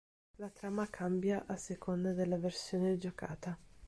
La trama cambia a seconda della versione giocata.